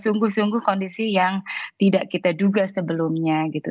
sungguh sungguh kondisi yang tidak kita duga sebelumnya gitu